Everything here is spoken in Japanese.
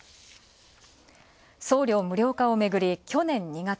送料無料化をめぐり、去年２月。